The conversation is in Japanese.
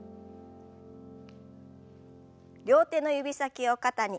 両手の指先を肩に。